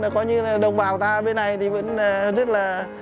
có như là đồng bào ta bên này thì vẫn rất là